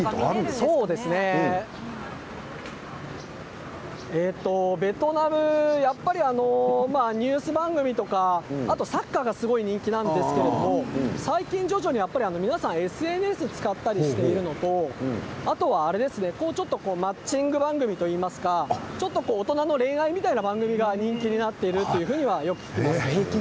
そうですねベトナムはニュース番組とかあとサッカーがすごく人気なんですけど最近、徐々に皆さんＳＮＳを使ったりしているのとあとはマッチング番組といいますか大人の恋愛みたいな番組が人気になっているとよく聞きます。